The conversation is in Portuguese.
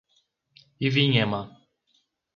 Ivinhema